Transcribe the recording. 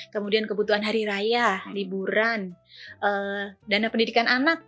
kemudian kebutuhan hari raya liburan dana pendidikan anak